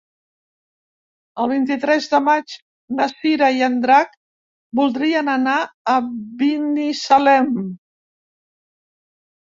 El vint-i-tres de maig na Cira i en Drac voldrien anar a Binissalem.